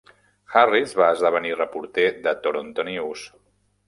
Harris va esdevenir reporter de "Toronto News".